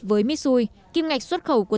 với mitsui kim ngạch xuất khẩu của